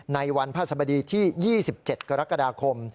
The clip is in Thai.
ในวันพระสบดีที่๒๗กรกฎาคม